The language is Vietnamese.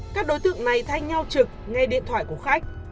các đối tượng này thanh nhau trực ngay điện thoại của khách